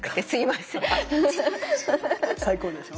最高でしょ。